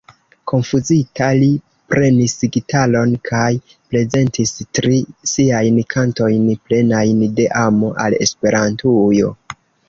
Konfuzita, li prenis gitaron kaj prezentis tri siajn kantojn plenajn de amo al Esperantujo.